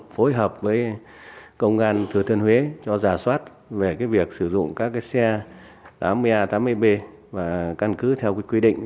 phối hợp với công an thừa thiên huế cho giả soát về việc sử dụng các xe tám mươi ba tám mươi b và căn cứ theo quy định